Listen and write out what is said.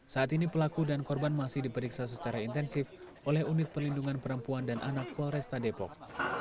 saat ini pelaku dan korban masih diperiksa secara intensif oleh unit perlindungan perempuan dan anak polresta depok